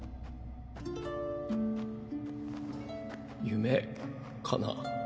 夢かな。